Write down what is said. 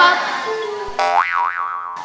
fahim lah ustadz